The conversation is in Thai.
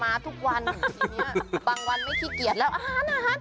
มาทุกวันทีนี้บางวันไม่ขี้เกียจแล้วอาหารอาหาร